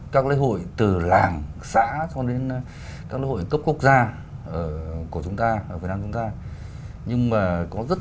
các lễ hội từ làng xã cho đến các lễ hội cấp quốc gia của chúng ta việt nam chúng ta